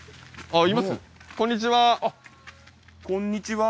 あっこんにちは。